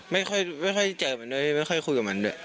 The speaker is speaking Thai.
ไม่ค่อยเจอมันด้วยไม่ค่อยคุยกับมันด้วย